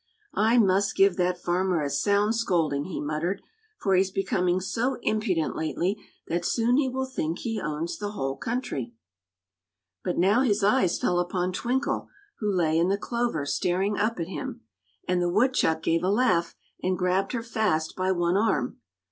"I must give that farmer a sound scolding," he muttered, "for he's becoming so impudent lately that soon he will think he owns the whole country." But now his eyes fell upon Twinkle, who lay in the clover staring up at him; and the woodchuck gave a laugh and grabbed her fast by one arm.